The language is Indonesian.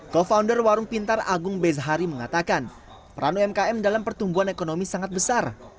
co founder warung pintar agung bezahari mengatakan peran umkm dalam pertumbuhan ekonomi sangat besar